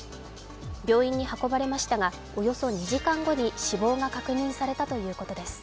病院に運ばれましたがおよそ２時間後に死亡が確認されたということです。